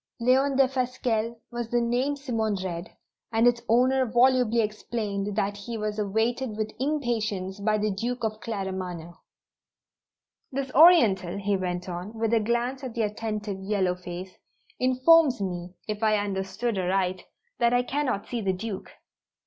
"Leon Defasquelle" was the name Simone read, and its owner volubly explained that he was awaited with impatience by the Duke of Claremanagh. "This Oriental," he went on, with a glance at the attentive yellow face, "informs me, if I understand aright, that I cannot see the Duke."